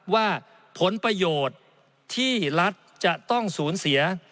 ว่าผลประโยชน์ที่รัฐจะต้องสูญเสีย